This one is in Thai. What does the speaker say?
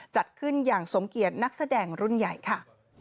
จัดขึ้นอย่างสมเกียจนักแสดงรุ่นใหญ่ค่ะ